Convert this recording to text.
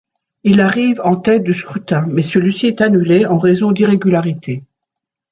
Il arrive en tête du scrutin, mais celui-ci est annulé en raison d'irrégularité.